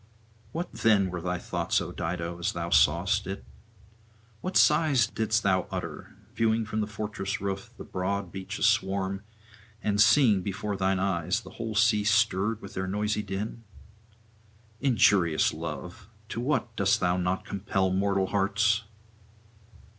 What then were thy thoughts, O Dido, as thou sawest it? What sighs didst thou utter, viewing from the fortress roof the broad beach aswarm, and seeing before thine eyes the whole sea stirred with their noisy din? Injurious Love, to what dost thou not compel mortal hearts!